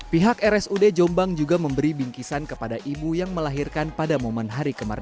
pihak rsud jombang juga memberi bingkisan kepada ibu yang melahirkan pada momen hari kemerdekaan